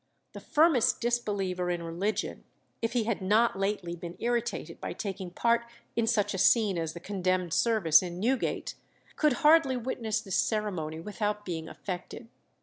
The firmest disbeliever in religion, if he had not lately been irritated by taking part in such a scene as the condemned service in Newgate, could hardly witness this ceremony without being affected.